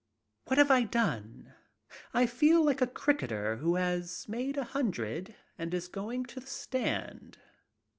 What have I done? I feel like a cricketer who has made a hundred and is going to the stand.